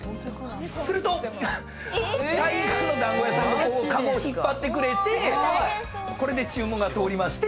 すると対岸の団子屋さんがカゴを引っ張ってくれてこれで注文が通りまして。